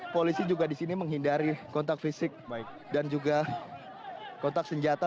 polisi juga di sini menghindari kontak fisik dan juga kontak senjata